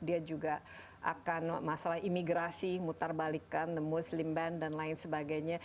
dia juga akan masalah imigrasi mutarbalikan the muslim band dan lain sebagainya